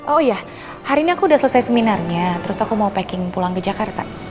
oh ya hari ini aku udah selesai seminarnya terus aku mau packing pulang ke jakarta